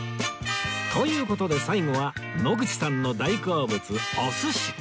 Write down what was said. という事で最後は野口さんの大好物お寿司